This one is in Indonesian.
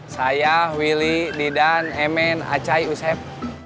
saya willy didan emen acay useb